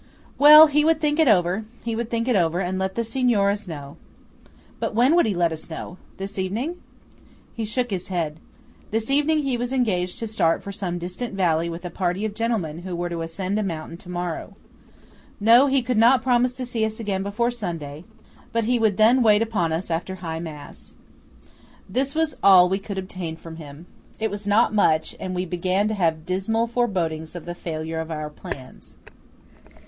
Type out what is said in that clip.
Well, he would think it over–he would think it over, and let the Signoras know. But when would he let us know? This evening? He shook his head. This evening he was engaged to start for some distant valley with a party of gentlemen who were to ascend a mountain to morrow. No–he could not promise to see us again before Sunday; but he would then wait upon us after High Mass. This was all we could obtain from him. It was not much; and we began to have dismal forebodings of the failure of our plans.